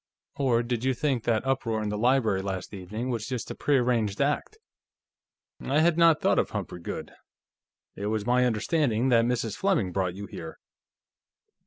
Or did you think that uproar in the library last evening was just a prearranged act?" "I had not thought of Humphrey Goode. It was my understanding that Mrs. Fleming brought you here."